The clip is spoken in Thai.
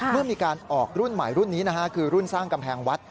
เมื่อมีการออกรุ่นใหม่รุ่นนี้นะฮะคือรุ่นสร้างกำแพงวัด